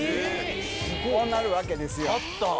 こうなるわけですよ。